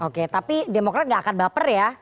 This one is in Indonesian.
oke tapi demokrat nggak akan baper ya